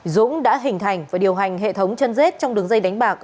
dũng đã hình thành và điều hành hệ thống chân dết trong đường dây đánh bạc